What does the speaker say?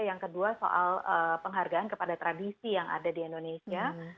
yang kedua soal penghargaan kepada tradisi yang ada di indonesia